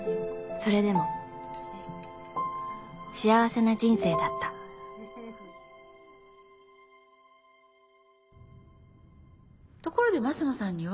それでも幸せな人生だったところで升野さんには。